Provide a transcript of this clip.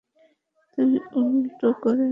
তুমি উলটো করে ম্যাপটা ধরেছ।